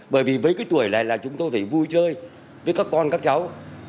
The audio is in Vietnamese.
bởi vì với cái tuổi này là chúng tôi phải vui chơi với các con các cháu